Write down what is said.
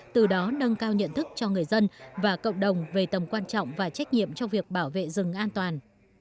từ đó nâng cao nhận thức cho người dân và cộng đồng về tầm quan trọng và trách nhiệm cho việc bảo vệ rừng an toàn